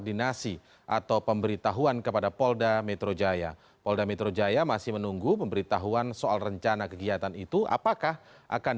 ini untuk meneguhkan